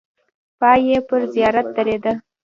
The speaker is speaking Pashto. پای یې پر زیارت درېده.